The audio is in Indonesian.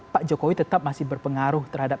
pak jokowi tetap masih berpengaruh terhadap